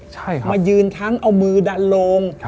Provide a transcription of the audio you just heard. มายืนทั้งเอามือดันโลง